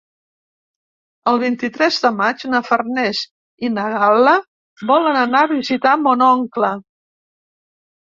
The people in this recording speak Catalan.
El vint-i-tres de maig na Farners i na Gal·la volen anar a visitar mon oncle.